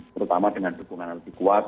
terutama dengan dukungan yang lebih kuat